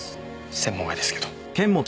専門外ですけど。